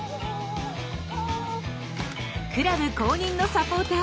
クラブ公認のサポーター。